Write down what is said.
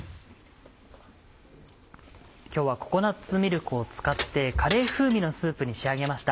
今日はココナッツミルクを使ってカレー風味のスープに仕上げました。